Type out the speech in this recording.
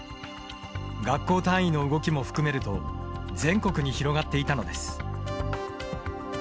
学校単位の動きも含めると全国に広がっていたのです。